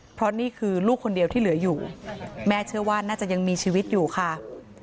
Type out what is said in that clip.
เพราะนี่คือลูกคนเดียวที่เหลืออยู่แม่เชื่อว่าน่าจะยังมีชีวิตอยู่ค่ะ